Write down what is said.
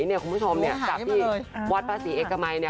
จับที่วัดประศรีเอกมัย